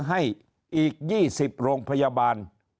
ให้อีก๒๐โรงพยาบาล